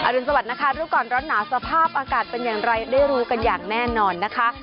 รุนสวัสดินะคะรู้ก่อนร้อนหนาวสภาพอากาศเป็นอย่างไรได้รู้กันอย่างแน่นอนนะคะ